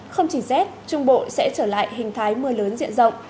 không chỉ rét trung bộ sẽ trở lại hình thái mưa lớn diện rộng